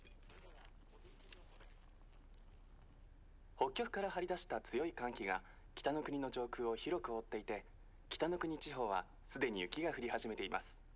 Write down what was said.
北極から張り出した強い寒気が北の国の上空を広く覆っていて北の国地方は既に雪が降り始めています。